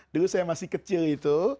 dulu saya masih kecil itu